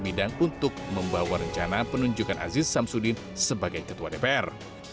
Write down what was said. bidang untuk membawa rencana penunjukan aziz samsudin sebagai ketua dpr